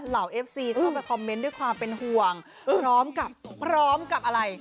เอฟซีเข้าไปคอมเมนต์ด้วยความเป็นห่วงพร้อมกับพร้อมกับอะไร